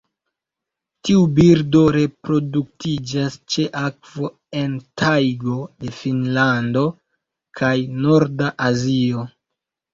Tiu birdo reproduktiĝas ĉe akvo en tajgo de Finnlando kaj norda Azio.